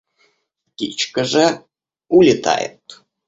Птичка же улетает.